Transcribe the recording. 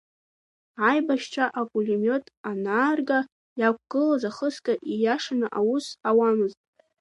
Аибашьцәа апулемиот анаарга, иақәгылаз ахысга ииашаны аус ауамызт.